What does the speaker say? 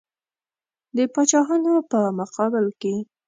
د پاچاهانو په مقابل کې.